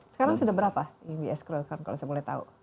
sekarang sudah berapa yang di escrow kan kalau saya boleh tahu